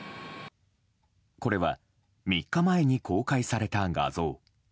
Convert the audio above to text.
これは、３日前に公開された画像。